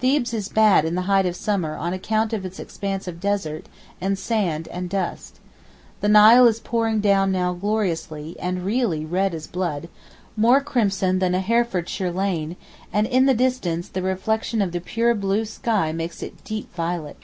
Thebes is bad in the height of summer on account of its expanse of desert, and sand and dust. The Nile is pouring down now gloriously, and really red as blood—more crimson than a Herefordshire lane—and in the distance the reflection of the pure blue sky makes it deep violet.